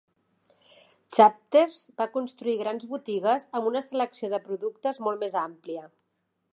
Chapters va construir grans botigues amb una selecció de productes molt més àmplia.